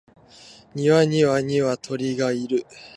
庭には二羽鶏がいる